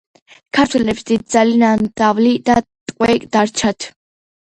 ქართველებს დიდძალი ნადავლი და ტყვე დარჩათ.